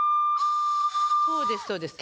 そうですそうです。